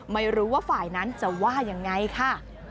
ไม่รู้ว่าฝ่ายนั้นจะว่ายังไงค่ะ